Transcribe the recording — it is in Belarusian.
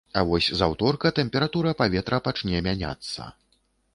А вось з аўторка тэмпература паветра пачне мяняцца.